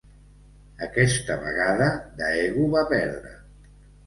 Aquesta vegada, Daegu va perdre.